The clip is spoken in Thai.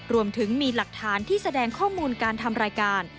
รวมถึงมีหลักฐานที่แสดงข้อมูลการทำรายการ